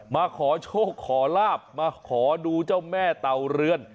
มาขอโชคขอลาบมาขอดูเจ้าแม่เต่าเรือน